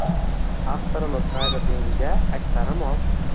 Аtvorimiz gʼayridinga aksari mos.